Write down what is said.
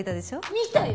見たよ！